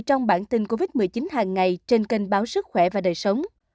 trong bản tin covid một mươi chín hàng ngày trên kênh báo sức khỏe và đời sống